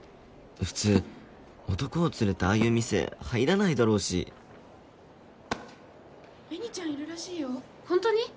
普通男を連れてああいう店入らないだろうし・紅ちゃんいるらしいよ・・ホントに？